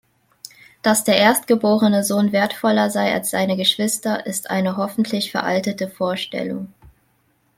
Dass der erstgeborene Sohn wertvoller sei als seine Geschwister, ist eine hoffentlich veraltete Vorstellung.